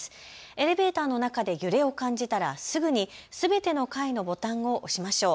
エレベーターの中で揺れを感じたらすぐにすべての階のボタンを押しましょう。